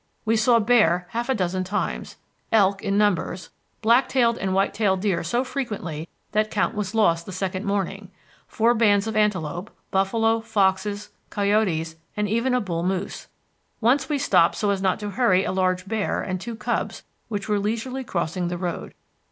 We saw bear half a dozen times, elk in numbers, black tailed and white tailed deer so frequently that count was lost the second morning, four bands of antelope, buffalo, foxes, coyotes, and even a bull moose. Once we stopped so as not to hurry a large bear and two cubs which were leisurely crossing the road.